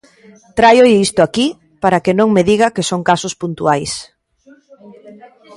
Tráiolle isto aquí para que non me diga que son casos puntuais.